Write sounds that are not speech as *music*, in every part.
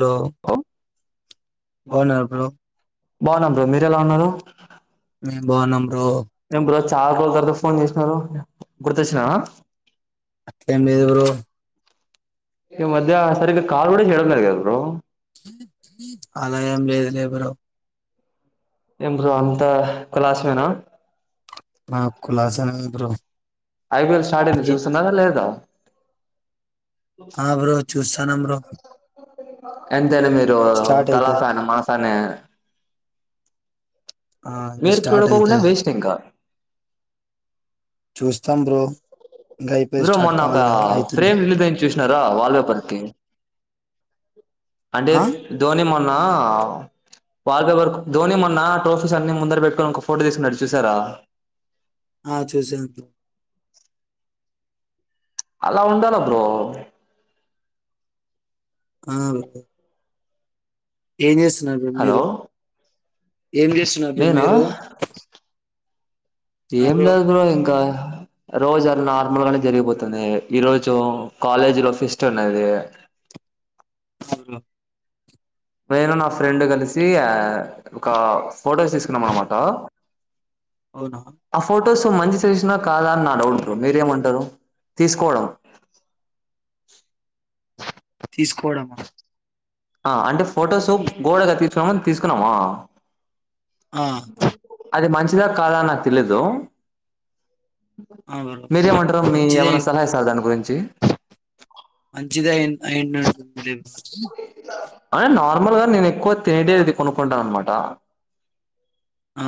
Hello hello బావున్నారా bro బాగున్నా bro మీరు నే బావున్నాం ఏమ్ బ్రో చాల రోజు ల్ తర్వాత ఫోన్ చే హలో గుర్తొచ్చినా అట్ల ఏం లేదు బ్రో ఈ మధ్య సరిగా కాల్ కూడా చేయడం కద బ్రో అలా ఏం లేదులే లే బ్రో ఏం బ్రో అంతా కులాసమేనా? ఆ కులాసనే బ్రో ఐపీఎల్ స్టార్ట్ంది ఏ- చూస్తున్నారా లేదా? ఆ బ్రో చూస్సా ఎంతెైనా మీరు స్టార్ట్ తలా అయితది ఫ్యాను మా ఫ్యానే ఆ ఇంకా మీరు స్టార్ట్ చూడకోకుండా అయితది వేస్ట్ ఇంకా చూస్త బ్రో మొన్న ఒక కావాలి కదా అయితుంది ఫ్రేమ్ రిలీజ్ అయింది చూసినారా వాల్ పేపర్ కి అంటే ఆ ధోని మె ఆ వాల్ పేపర్ ధోని మొన్న ట్రోఫీస్ అన్ని ముందర పెట్టుకొని ఒక ఫోటో తీసుకున్నాడు చూసారా? ఆ చూసాను బ్రో అలా ఉండాల బ్రో ఆ బ్రో ఏ చేస్ బ్రో మీరు హలో ఏం చేస్తున్నారు బ్రో నేనా మీరు ఏం లేదు బ్రో ఇంకా రోజు నార్మల్ గానే జరిగిపోతుంది ఈ రోజు కాలేజ్ లో ఫెస్ట్ ఉన్నది ఆ బ్రో నేను నా ఫ్రెండ్ కలిసి ఆ ఒక ఫోటోస్ తీసుకున్నాం అన్నమాట అవునా ఆ ఫోటో ఫొటోస్ మంచి సజెషన్ కాదా అని నా డౌట్ బ్రో మీరేమంటారు తీసుకోవడం తీసుకోవడమా ఆ అంటే ఫొటోస్ గోడగతికిచ్చదాం తీసుకున్నామా ఆ అదే మంచి దా కాదా నా తెలీదు ఆ బ్రో మీరేమంటారు మీ మంచిదే ఏమైనా సలహా ఇస్తార దాని గురించి అయినా నాకు తెలీదు హ అ నార్మల్ గా నేను ఎక్కువ తిటేది కొనుకుంటాను అనమాట ఆ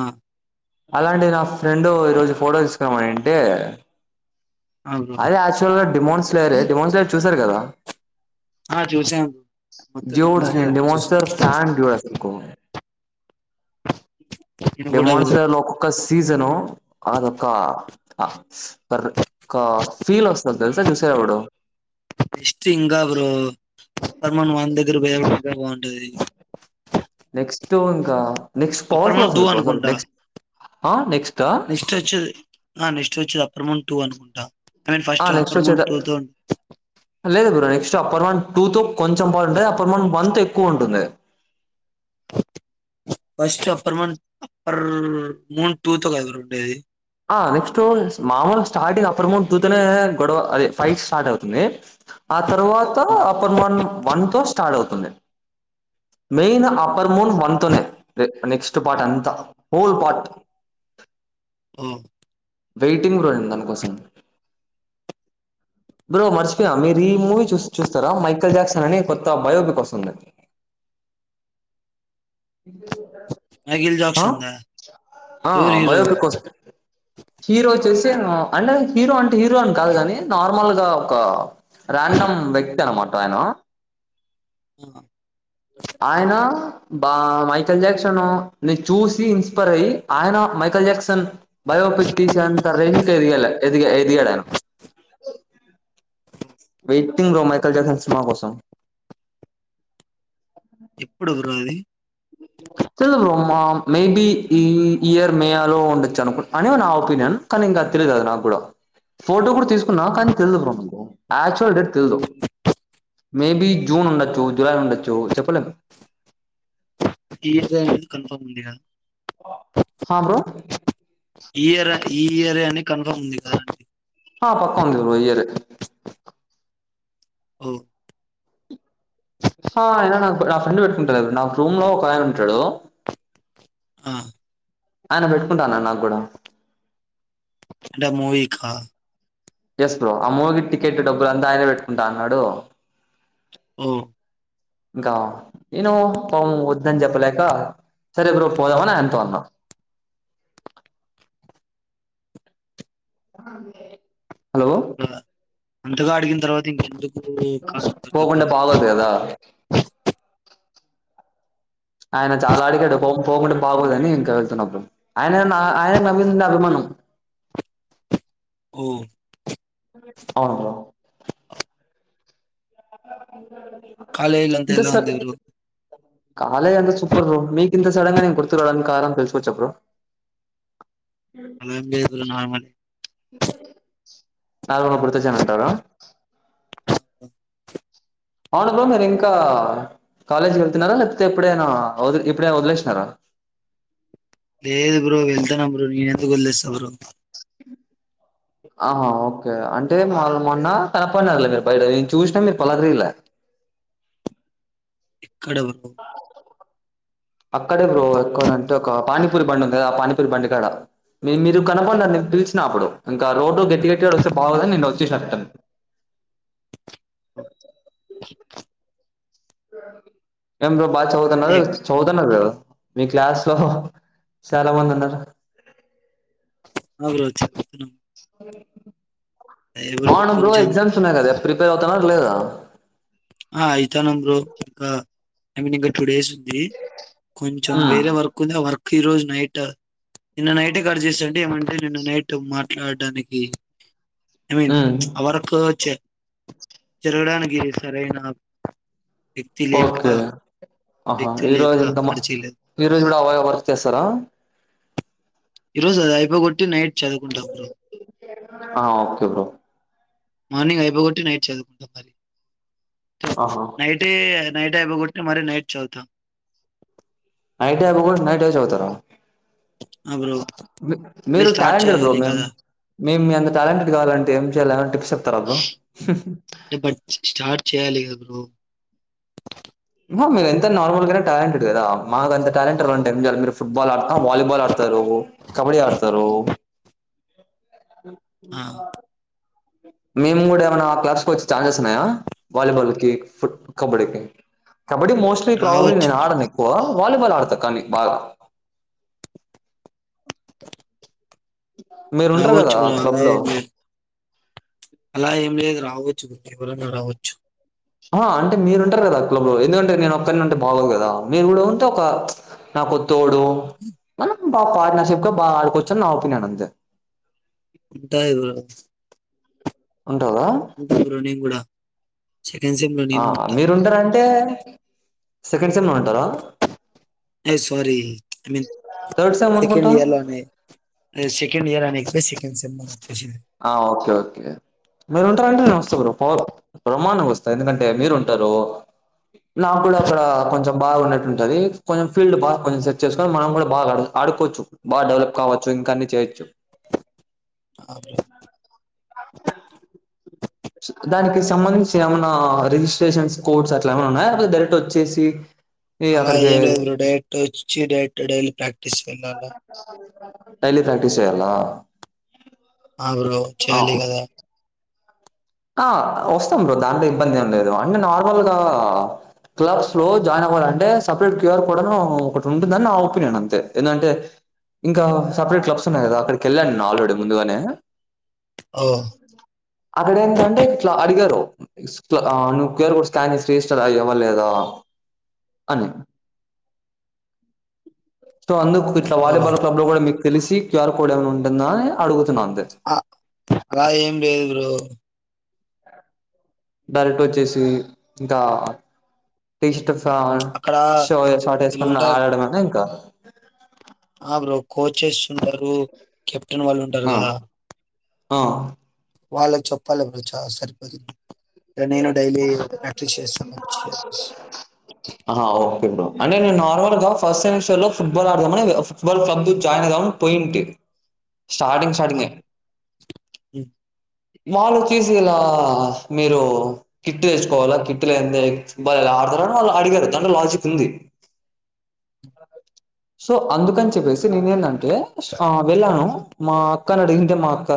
అలాంటి నా ఫ్రెండు ఈరోజు ఫోటో తీసుకురమనింటే ఆ బ్రో అదే యాక్చువల్ లో డిమోన్స్ లేరే డిమోన్స్ చూస్ ఆ చూసాను బ్రో *unintelligible* మొత్తం జో డిమాస్లేర్ అన్ని చూసాను డిమాంస్టర్ ఫ్యాన్ అసలకు నేను కూడా బ్రో డిమాంస్టర్ లో ఒకొక్క సి సిజను అదోక్క అ స్ ఫర్ ఒక ఫీల్ వస్తది తెలుసా చూసే టప్పుడు ఎస్ట్ ఇంగ బ్రో మనం వందేగ్గారా పోయేలోపే బాం ఉంటది నెక్స్ట్ ఇంకా నెక్స్ట్ పవర్ఫుల్ వస్తది బ్రో అసల్ అనుకుంటా నెక్స్ట్ ఆ నెక్స్ట్ నెక్స్ట్ వచ్చది ఆ నెక్స్ట్ వచ్చది అప్రమణ టు అనుకుంటా ఐ మీన్ ఆ ఫస్ట్ నెక్స్ట్ అప్పర్ మన్ వచ్చేదే టూ తో లేదు bro next upper one two తో కొంచెం పంటంది అప్పర్ వన్ వన్ తో ఎక్కువ ఉంటుంది first upper moon upper moon two తో కదా బ్రో ఉండేది ఆ నెక్స్ట్ మామూలు స్టార్టింగ్ అప్పర్ మున్ టు తోనే గొడవ అది ఫైట్ స్టార్ట్ అవుతుంది ఆ తర్వాత ఆ, అప్పుర్ మన్ వన్ తో స్టార్ట్ అవుతుంది మెయిన్ అప్పర్ మున్ వన్ తో నే నెక్స్ట్ పార్ట్ అంతా హోల్ పార్ట్ ఆ వెయిటింగ్ బ్రో నేను దానికోసం బ్రో మర్చిపోయా మీరు ఈ మూవీ చూ చూస్తారా మైకల్ జాక్సన్ అని కొత్త బయోపిక్ వస్తుంది ఇ మైకిల్ అ జాక్సన్ దా ఆ ఎవరు హీరో బయోపిక్ వస్త్ హీరో *unintelligible* అంటే హీరో అంటే హీరో కాదు కాని నార్మల్ గా ఒక ర్యాండోమ్ వ్యక్తి అనమాట ఆయన ఆ ఆయన బ మైకల్ జాక్సన్ ని చూసి ఇన్స్పైర్ అయ్యి ఆయన మైకల్ జాక్సన్ బయోపిక్ తీసేంత రేంజ్ కి ఎదిగా ఎది ఎదిగాడు ఆయన వెయిటింగ్ బ్రో మైకల్ జాక్సన్ సినిమా కోసం ఎప్పుడు బ్రో అది తెలిదు బ్రో మా మేబి ఈ ఇయర్ మేయాలో ఉండొచ్చు అనుకు అని నా ఒపీనియన్ కానీ ఇంకా తెలీదు అది నాకు కూడా ఫోటో కూడా తీసుకున్నా కానీ తెలిదు బ్రోకు యాక్చువల్ డేట్ తెలిదు మేబి జూన్ ఉండొచ్చు జులై ఉండొచ్చు చెప్పలేము ఈజ అనేది కన్ఫర్మ్ ఉందిగా హా బ్రో ఈ ఇయర్ ఈ ఇయరే అని కన్ఫర్మ్ ఉంది కదా అండి ఆ పక్కవుంది ఈ ఇయర్ ఎ ఓ హ ఆయన నాకు నా ఫ్రెండ్ పెట్టుకుంటాడు నాకు రూమ్ లో ఒక ఆయ ఉంటాడు ఆ ఆయన పెట్టుకుంటాన్న నాకు కూడా ఎంట మూవీ కా ఎస్ బ్రో ఆ మూవీకి టికెట్ డబ్బులు అంతా ఆయన పెట్టుకుంటా అన్నాడు హ్మ్ ఇంకా నేను పాం వద్దని చెప్పలేక సరే బ్రో పోదామని ఆయనతో అన్నాం హలో అంతగా అడిగిన తర్వాత ఇంకెందుకు కాదంటుంది బ్రో పోకుండా బాగోదు కదా ఆయన చాలా అడిగాడు పో పోకుండా బాగోదని ఇంకా వెళ్తున్న బ్రో ఆయన ఆయన నా మీద ఉన్న అభిమానం ఓ అవును బ్రో కాలేజ్ లో అంతా ఇంత ఎలా సర్ ఉంది బ్రో కాలేజ్ అంతా సూపర్ బ్రో మీకు ఇంత సడన్ గా నేను గుర్తుకురాడానికి కారణం తెలుసుకోవచ్చా బ్రో అలా ఏం లేదు బ్రో నార్మలే నార్మల్ గా గుర్తొచ్చాను అంటార అహ్ అవును బ్రో మీరు ఇంకా కాలేజీ వెళ్తున్నారా లేకపోతే ఎప్పుడైనా వద్ ఇప్పుడైనా వదిలేసినారా. లేదు బ్రో వెళ్ తన్నా బ్రో నేను ఎందుకు వదిలేస్స బ్రో ఆహా ఓకే అంటే మన్ మొన్న కనపడినారులే మీరు బైట నేను చూసినా మీరు పలకరిలే. ఎక్కడ బ్రో అక్కడే బ్రో ఎక్కడంటే ఒక పానీపూరి బండి ఉంది కదా ఆ పానీపూరి బండి కాడ మీ మీరు కనపడినారు నేను పిలిచినా అప్పుడు ఇంకా రోడ్డులో గట్టి గట్టిగా అడుస్సే బాగోదని నేను వచ్చేసినా రిటర్న్. ఎంతో బాగా చదువుతున్నారు చదువుతున్నారు కదా మీ క్లాస్ లో చాలా మంది ఉన్నారు నలుగురు అ అవును బ్రో కొంచెం ఎగ్జామ్స్ ఉన్నాయి కదా ప్రిపేర్ అవుతున్నారా లేదా ఆ అయితనం బ్రో ఇంకా ఐ మీన్ ఇంకా టూ డేస్ కొంచెం హ్మ్ వేరే వర్క్ ఉంది వర్క్ ఈరోజు నైట్ నిన్న నైట్ కట్ చేస్తుంటే ఏమంటే నిన్న నైట్ మాట్లాడడానికి ఐ మీన్ హ్మ్ అరక వచ్చే జరగడానికి వీల్లేదు సరేనా ఇక్తిలే లేఖా ఓకే ఆహా ఈ రోజు ఇంత ఈరోోజు కూడా అవ వర్క్ చేస్తారా ఈరోజు ఆది అయిపోగోట్టి నైట్ చదువుకుంటావు ఆ ఓకే బ్రో మార్నింగ్ అయిపోగొట్టి నైట్ చదువుకుంట మరి ఆహా నైటే నైట్ అయిపిగొట్టి మరి నైట్ చదువుతా నైట్ అయిపిగొట్టి నైట్ ఏ చదువుతారా ఆ బ్రో అంటే మీరు స్టార్ట్ ట్యాలెంటెడ్ బ్రో చేయాలి మేమ్ కదా మేము మీ అంత టాలెంటెడ్ కావాలంటే ఎం చేయాలి టిప్స్ చెప్తారా బ్రో అంటే బట్ స్టార్ట్ చేయాలి కదా బ్రో మీరు ఎంత నార్మల్ గానే టాలెంటెడ్ కదా మాకు అంత టాలెంట్ కావాలంటే ఎమ్ చేయాలి మీరు ఫుట్బాల్ ఆడత వాలీబాల్ ఆడతారు కబడ్డీ ఆడతారు బాల్ ఆ మేము కూడా ఏమైనా క్లబ్స్ కి వచ్చే ఛాన్సెస్ ఉన్నాయా వాలీబాల్ కి ఫు కబడ్డీకిి కబడ్డీ మోస్ట్లీ ప్రాబ్లీ రావచ్చు నేను ఆడను ఎక్కువ వాలిబాల్ ఆడుత కనీ బాగా మీరు ఉంటారు కదా రావచ్చు బ్రో క్లబ్ అలా లో ఏం లేదు అలా ఏం లేదు రావచ్చు ఎవరన్నా రావచ్చు ఆ అంటే మీరు ఉంటారు కదా అ క్లబ్ లో ఎందుకంటే నేను ఒక్కన్నీ ఉంటే బాగోదు కదా మీరు కూడా ఉంటే ఒక నాకు తోడు మన బాగా పార్ట్నర్షిప్ క బాగా ఆడుకోవచ్చుని నా ఒపీనియన్ అంతే ఉంటాయి బ్రో ఉంటారా? ఉంటా బ్రో నేను కూడా సెకండ్ సెమ్ లో ఆ నేను ఉంటా మీరుంటారంటే స లేదు సారీ నేను థర్డ్ సెమ్ సెకండ్ అనుకుంటా. ఇయర్ లోనే సే సెకండ్ ఇయర్ అనేది పోయి సెకండ్ సెమ్ అన్న ఆ ఓకే ఓకే మీరు ఉంటారంటే నేను వస్తా బ్రో బ్రహ్మాండంగా వస్తా ఎందుకంటే మీరు ఉంటారు నాకు కూడా అక్కడ కొంచెం బాగాన్నట్టు ఉంటది కొంచెం ఫీల్డ్ బాగా కొంచెం సెర్చ్ చేసుకొని మనం కూడా బాగా ఆడుకోవచ్చు బాగా డెవలప్ కావచ్చు ఇంకన్ని చేయొచ్చు ఆ బ్రో *unintelligible* దానికి సంబంధించి ఏమైన్నా రిజిస్ట్రేషన్స్ కోడ్స్ అట్లా ఏమైనా ఉన్నాయా డైరెక్ట్ వచ్చేసి ఈ అలా అక్కడికి ఏం లేదు బ్రో డైరక్ట్ వచ్చి డైరెక్ట్ డైలీ ప్రాక్టీస్ వెళ్ళాలా *unintelligible* డైలీ ప్రాక్టీస్ చేయ్యాల ఆవును బ్రో చేయాలి కదా వస్తాం బ్రో దాంట్లో ఇబ్బంది ఏం లేదు అంటే నార్మల్గా క్లబ్స్లో జాయిన్ అవ్వాలంటే సపరేట్ క్యూఆర్ కోడ్ ఒకటి ఉంటుందని నా ఒపీనియన్ అంతే ఎందుకంటే ఇంకా సపరేట్ క్లబ్స్ ఉన్నాయి కదా అక్కడికి వెళ్ళాను నేను ఆల్రెడీ ముందుగానే ఓ అ ఇప్పుడేందంటే ఇట్లా అడిగారు ఇట్ల నువ్వు క్యూఆర్ కోడ్ స్కాన్ చేసి రిజిస్టర్ అయావా లేదా అని. సో అందుకు ఇట్లా ఓ వాలీబాల్ క్లబ్ లో కూడా మీకు తెలిసి క్యూఆర్ కోడ్ ఏమైనా ఉంటుందా అడుగుతున్నా అంతే అ గా ఏం లేదు బ్రో డైరెక్ట్ వచ్చేసి ఇంకా టే ష్టం కా అక్కడ షో షార్టే యేసుకొని వీళ్ళుంటారు ఆడడమేనా ఇంకా ఆ బ్రో కోచెస్ ఉన్నారు కెప్ టెన్ వాళ్ళు ఉంటారు ఆ కదా ఆ వాళ్ళకి చెప్పాలి ఎప్పుడు చా సరిపోతే ఇగ నేను డైలీ ప్రాక్టీస్ చేస్తాను వచ్చి ఇగ. ఆహా ఓకే బ్రో అంటే నేను నార్మల్ గా ఫస్ట్ సెమిస్టర్ లో ఫుట్బాల్ ఆడదామని ఫుట్బాల్ క్లబ్ లో జాయిన్ అయిదామని పోయింటి స్టార్టింగ్ స్టార్టింగే ఉ వాళ్ళు వచ్చేసి ఇలా మీరు కిట్టు తెచ్చుకోవాలా కిట్టు లేందే వాళ్ళు ఆడతారని వాళ్ళు అడిగారు దాంట్లో లాజిక్ ఉంది. సో అందుకని చెప్పేసి నేను ఏంటంటే ఆ వెళ్ళాను, మా అక్కని అడిగింటే మా అక్క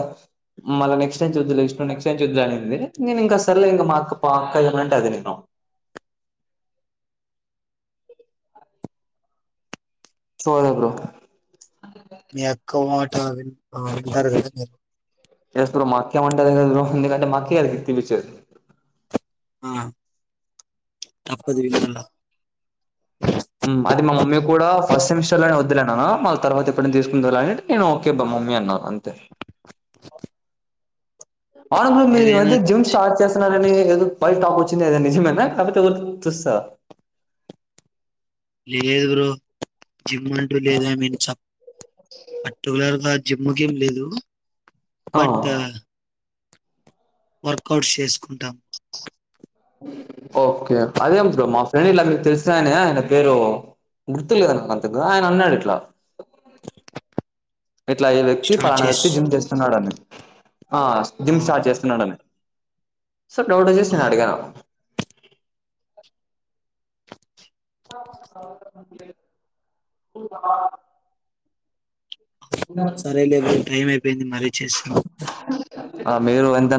మళ్ళ నెక్స్ట్ ఎ చదు నక్ చూద్దు అంది నేను ఇంకా అసరలే ఇంక మా అక్క పా అక్క ఏమంటే అది నేను చో ఎప్రో మీ అక్క అంటారు ఎసు త మాక వంటే అ కంటే మాకిది పిచ్చే ఆ తప్పది వింట అది మా మమ్మీ కూడా ఫస్ట్ సెమిస్టర్ లో వదులే వాళ్ళ తర్వాత ఎప్పుటినా తీసుకుని వెళ్ల నేను ఓకేబ్ మమ్మీ అన్నాను అంతే ఆన మీరైనా మీ జిమ్ స్టార్ట్ చేసన్నారు ప టాప్ వచ్చింది ఏద నిజమేనా కాకపోతే చూస్తా లే లేదు బ్రో జిమ్ అంటూ లేదు ఐ మీన్స్ పర్టికులర్గా జమ్మకేం లేదు బట్ ఆ వర్కౌట్స్ చేసుకుంటాం ఓకే అదేతు మా ఫ్రెండ్ ఇలా మీరు తెలిస ఆయనే ఆయన పేరు గుర్తులు కదా అంతకు ఆయన అన్నాడు ఇట్లా ఇట్లా అయ్యే వ్యక్తి స్టార్ట్ పాన చేసి వ్యక్తి జిమ్ చేస్తున్నాడు అని ఆ జిమ్ ఓ స్టార్ట్ చేస్తున్నాడని సార్ ట్ అజస్ట్ నేను ఓ అడుగా సరే లే *unintelligible* టైం అయిపోయింది మర చేస్తా ఆ మీరు ఎంత నా